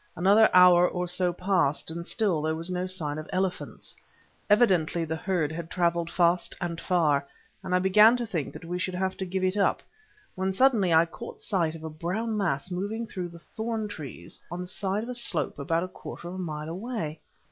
Another hour or so passed, and still there was no sign of elephants. Evidently the herd had travelled fast and far, and I began to think that we should have to give it up, when suddenly I caught sight of a brown mass moving through the thorn trees on the side of a slope about a quarter of a mile away.